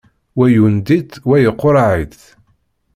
Wa yundi-tt wa yeqqureɛ-itt.